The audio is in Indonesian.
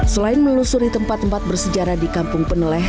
selain melusuri tempat tempat bersejarah di kampung peneleh